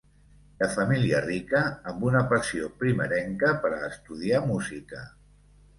De família rica, amb una passió primerenca per a estudiar música.